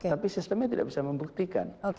tapi sistemnya tidak bisa membuktikan